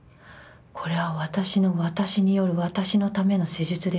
これは私の私による私のための施術でしかない」。